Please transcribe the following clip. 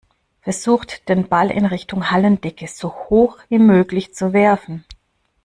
Versucht den Ball in Richtung Hallendecke so hoch wie möglich zu werfen.